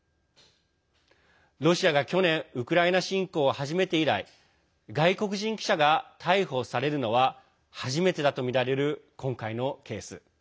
ロシアが去年ウクライナ侵攻を始めて以来外国人記者が逮捕されるのは初めてだとみられる今回のケース。